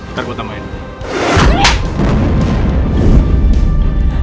ntar gue tambahin